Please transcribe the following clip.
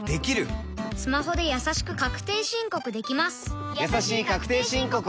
スマホでやさしく確定申告できます